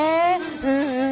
うんうん。